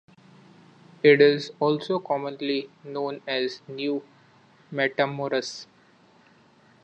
It is also commonly known as New Matamoras.